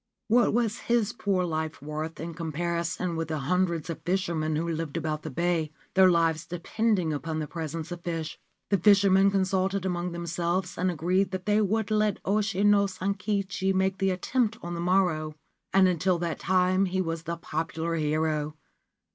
What was his poor life worth in comparison with the hundreds of fishermen who lived about the bay, their lives depending upon the presence of fish ? The fishermen consulted among themselves, and agreed that they would let Oshi no Sankichi make the attempt on the morrow ; and until that time he was the popular hero.